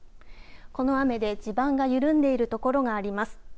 この雨で地盤が緩んでいる所があります。